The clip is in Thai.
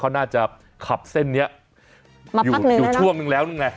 เขาน่าจะขับเส้นเนี้ยมาปั๊กหนึ่งอยู่ช่วงหนึ่งแล้วนึงไง